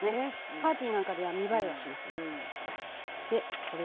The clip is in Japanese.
パーティーなんかでは見栄えはしますです。